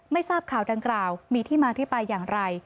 ทราบข่าวดังกล่าวมีที่มาที่ไปอย่างไร